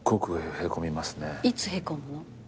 いつへこむの？